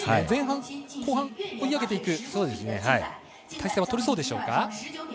前半、後半追い上げていく態勢は取れそうでしょうか。